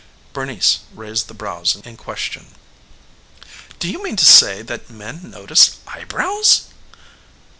Bernice raised the brows in question. "Do you mean to say that men notice eyebrows?"